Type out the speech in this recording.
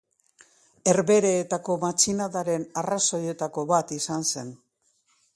Herbehereetako matxinadaren arrazoietako bat izan zen.